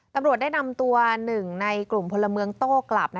ตำรวจได้นำตัว๑ในกลุ่มพลเมืองโต้กลับ